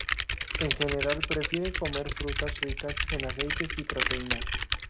En general prefiere comer frutas ricas en aceites y proteínas.